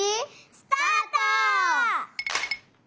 スタート！